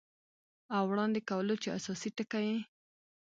او وړاندې کولو چې اساسي ټکي یې